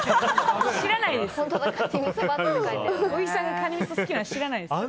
知らないですよ。